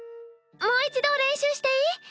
もう一度練習していい？